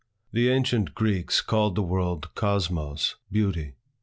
The ancient Greeks called the world kosmos, beauty.